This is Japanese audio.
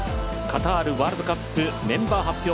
カタールワールドカップメンバー発表